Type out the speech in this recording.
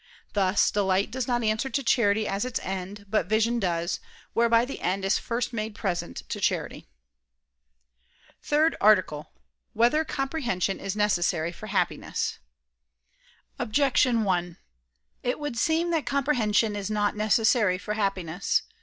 Thus delight does not answer to charity as its end, but vision does, whereby the end is first made present to charity. ________________________ THIRD ARTICLE [I II, Q. 4, Art. 3] Whether Comprehension Is Necessary for Happiness? Objection 1: It would seem that comprehension is not necessary for happiness.